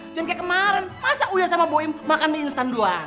jangan kaya kemarin masa uya sama buim makan di instan doang